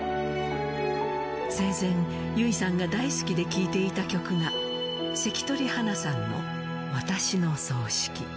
生前、優生さんが大好きで聴いていた曲が、関取花さんの私の葬式。